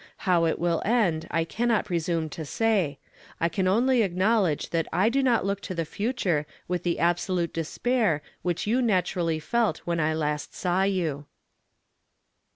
How it will end I cannot presume to say. I can only acknowledge that I do not look to the future with the absolute despair which you naturally felt when I last saw you."